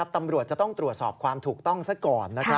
ตำรวจจะต้องตรวจสอบความถูกต้องซะก่อน